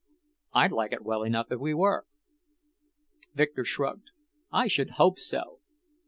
"I'd like it well enough if we were." Victor shrugged. "I should hope so!"